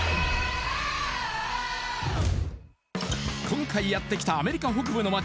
今回やってきたアメリカ北部の街